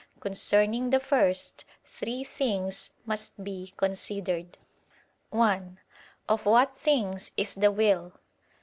Concerning the first, three things must be considered: (1) Of what things is the will?